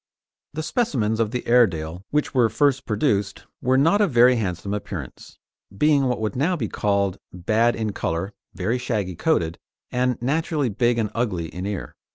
The specimens of the Airedale which were first produced were not of very handsome appearance, being what would now be called bad in colour, very shaggy coated, and naturally big and ugly in ear.